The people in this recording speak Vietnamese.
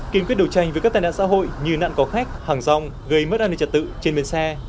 kiên quyết đấu tranh với các tài nạn xã hội như nạn có khách hàng rong gây mất an ninh trật tự trên bến xe